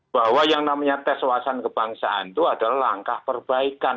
bahwa yang namanya tes wawasan kebangsaan itu adalah langkah perbaikan